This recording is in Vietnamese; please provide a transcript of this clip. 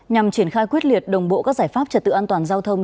nhằm triển khai quyết liệt đồng bộ các giải pháp trật tự an toàn giao thông